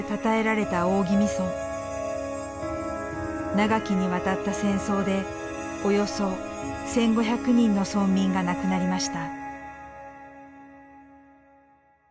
長きにわたった戦争でおよそ１，５００人の村民が亡くなりました。